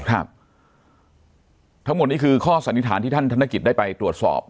ทั้งหมดนี้คือข้อสันนิษฐานที่ท่านธนกิจได้ไปตรวจสอบ